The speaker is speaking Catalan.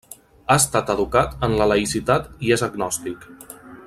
Ha estat educat en la laïcitat i és agnòstic.